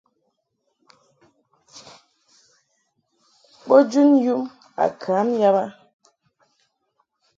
Bo jun yum a kam yab a.